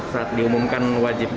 saat diumumkan wajib